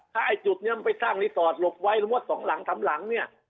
ถ้าไอ้จุดนี้มันไปสร้างรีสอร์ทหลบไว้สมมุติสองหลังสามหลังเนี่ย